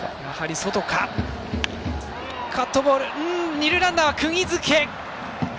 二塁ランナーくぎ付け！